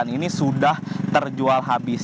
ini sudah terjual habis